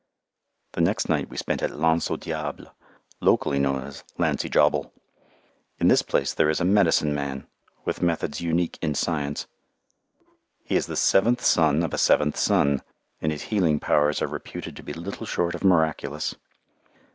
The next night we spent at Lance au Diable, locally known as "Lancy Jobble." In this place there is a "medicine man," with methods unique in science. He is the seventh son of a seventh son, and his healing powers are reputed to be little short of miraculous.